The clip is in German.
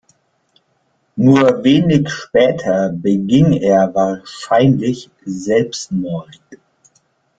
Nur wenig später beging er wahrscheinlich Selbstmord.